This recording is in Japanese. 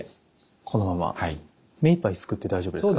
このまま目いっぱいすくって大丈夫ですか？